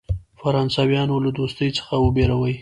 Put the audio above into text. فرانسویانو له دوستی څخه وبېروي.